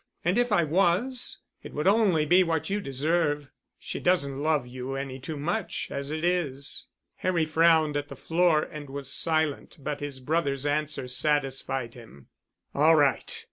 And if I was, it would only be what you deserve. She doesn't love you any too much, as it is." Harry frowned at the floor, and was silent, but his brother's answer satisfied him. "All right.